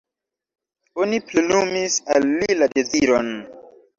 Oni plenumis al li la deziron.